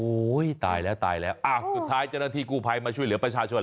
โอ้ยตายแล้วต่อที่กูไภมาช่วยเหลือประชาชน